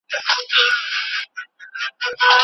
هغه وویل چې زه باید لاړ شم.